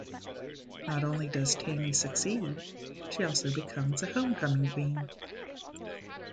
Not only does Tami succeed, she also becomes the homecoming queen.